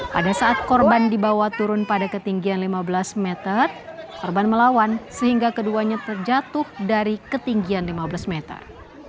pada saat korban dibawa turun pada ketinggian lima belas meter korban melawan sehingga keduanya terjatuh dari ketinggian lima belas meter